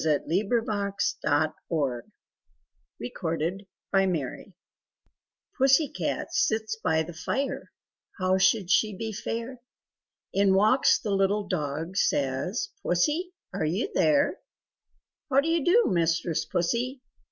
THE END THE PIE AND THE PATTY PAN Pussy cat sits by the fire how should she be fair? In walks the little dog says "Pussy are you there? How do you do mistress Pussy?